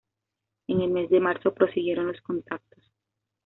En el mes de marzo prosiguieron los contactos.